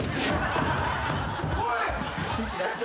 おい！